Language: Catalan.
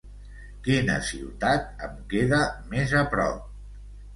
Quina ciutat em queda més aprop?